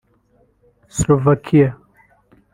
Slovakia